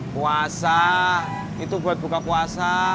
puasa itu buat buka puasa